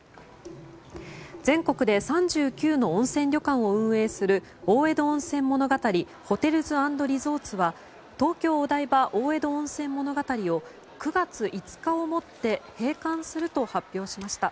全国で３９の温泉旅館を運営する大江戸温泉物語ホテルズ＆リゾーツは東京お台場大江戸温泉物語を９月５日をもって閉館すると発表しました。